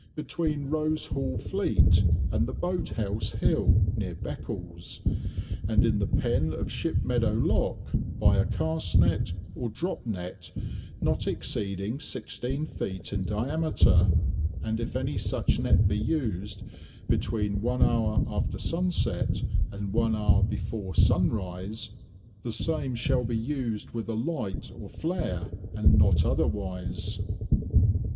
between Rose Hall Fleet, and the Boat house Hill, near Beccles, and in the pen of Shipmeadow Lock, by a Cast Net or Drop Net not exceeding 16 feet in diameter, and if any such Net be used between one hour after sunset and one hour before sunrise, the same shall be used with a light or flare, and not otherwise.